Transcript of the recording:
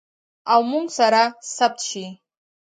او موږ سره ثبت شي.